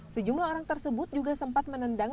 sejumlah orang tersebut juga sempat menendang